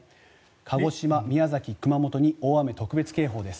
鹿児島、宮崎、熊本に大雨特別警報です。